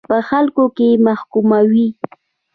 په خلکو کې محکوموي.